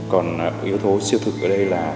còn yếu thố siêu thực ở đây